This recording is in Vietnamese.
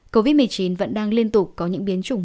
covid một mươi chín vẫn đang liên tục có những biến chủng